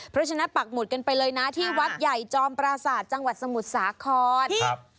เพราะฉะนั้นปักหมุดกันไปเลยนะที่วัดใหญ่จอมปราศาสตร์จังหวัดสมุทรสาคร